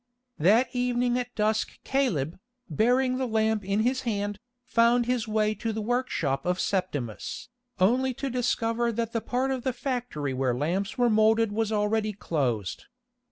That evening at dusk Caleb, bearing the lamp in his hand, found his way to the workshop of Septimus, only to discover that the part of the factory where lamps were moulded was already closed.